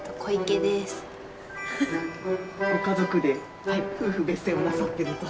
ご家族で夫婦別姓をなさってると。